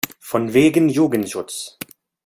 Von wegen Jugendschutz!